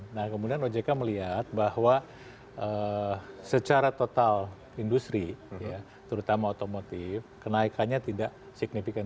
nah kemudian ojk melihat bahwa secara total industri terutama otomotif kenaikannya tidak signifikan